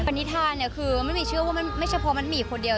วันนิทานคือไม่ใช่เฉพาะว่ามันมีคนเดียว